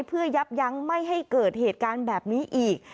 เพื่อยับยั้งไม่ให้เกิดเหตุการณ์แบบนี้อีก